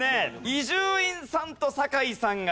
伊集院さんと酒井さんが落第です。